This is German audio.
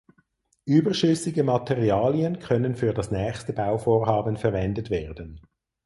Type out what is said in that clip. Überschüssige Materialien können für das nächste Bauvorhaben verwendet werden.